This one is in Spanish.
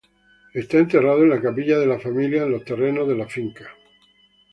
Está enterrado en la capilla de la familia en los terrenos de la finca.